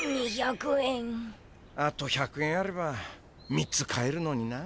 あと１００円あれば３つ買えるのにな。